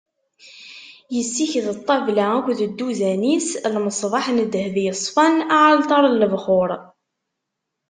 Yessiked ṭṭabla akked dduzan-is, lmeṣbaḥ n ddheb yeṣfan, aɛalṭar n lebxuṛ.